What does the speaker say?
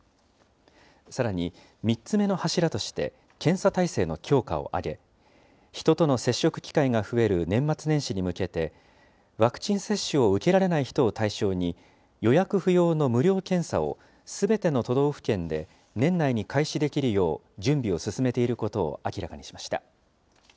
さらに、３つ目の柱として、検査体制の強化を挙げ、人との接触機会が増える年末年始に向けて、ワクチン接種を受けられない人を対象に、予約不要の無料検査を、すべての都道府県で年内に開始できるよう準備を進めていることを明らかにしました。